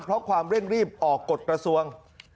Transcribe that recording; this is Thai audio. เพราะความเร่งรีบออกกฎกระทรวง